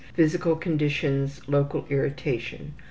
Physical conditions: Local irritation.